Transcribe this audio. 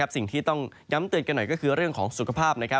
สิ่งที่ต้องย้ำเตือนกันหน่อยก็คือเรื่องของสุขภาพ